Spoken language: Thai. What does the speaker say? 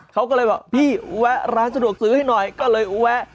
เขาก็เลยบอกพี่แวะร้านสะดวกซื้อให้หน่อยก็เลยแวะ